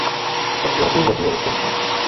একটি অপূর্ব বিয়ের উদ্দেশ্যে।